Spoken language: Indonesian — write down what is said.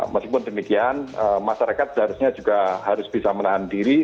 meskipun demikian masyarakat seharusnya juga harus bisa menahan diri